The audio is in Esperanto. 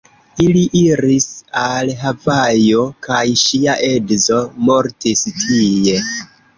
Ili iris al Havajo kaj ŝia edzo mortis tie.